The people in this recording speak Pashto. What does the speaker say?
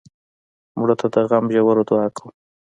مړه ته د غم ژوره دعا کوو